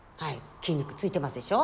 筋肉ついてますでしょう？